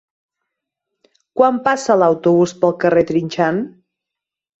Quan passa l'autobús pel carrer Trinxant?